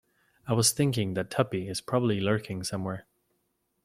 I was thinking that Tuppy is probably lurking somewhere.